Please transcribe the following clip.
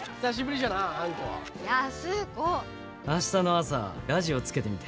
あしたの朝ラジオつけてみて。